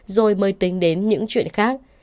rồi mới tính đến những chuyện khác